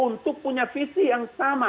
untuk punya visi yang sama